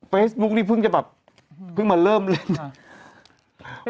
เฟฟทูปนี้เพิ่งจะแบบมาเริ่มเล่น